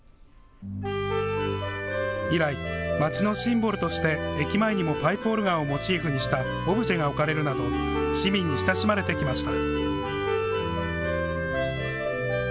以来、まちのシンボルとして駅前にもパイプオルガンをモチーフにしたオブジェが置かれるなど市民に親しまれてきました。